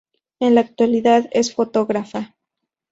En la actualidad es fotógrafa.